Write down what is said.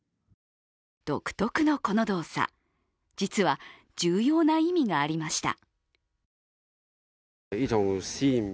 独特のこの動作、実は重要な意味がありました。